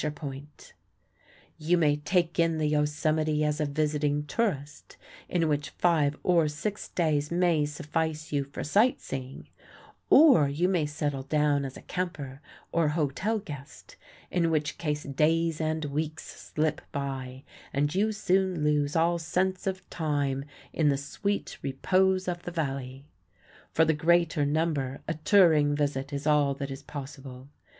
[Illustration: Photograph by A. C. Pillsbury WINTER SCENE Half Dome in white] You may take in the Yosemite as a visiting tourist, in which five or six days may suffice you for sightseeing, or you may settle down as a camper or hotel guest, in which case days and weeks slip by, and you soon lose all sense of time in the sweet repose of the Valley. For the greater number a touring visit is all that is possible.